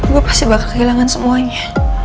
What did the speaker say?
gue pasti bakal kehilangan semuanya